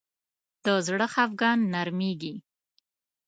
د زړه خفګان نرمېږي